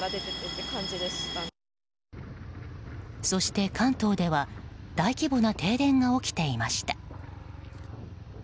そして関東では大規模な停電が起きていました。